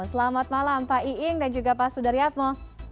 selamat malam pak iing dan juga pak sudaryatmo